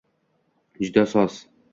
Juda soz!